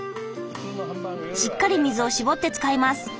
しっかり水を絞って使います。